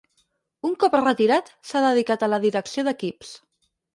Un cop retirat, s'ha dedicat a la direcció d'equips.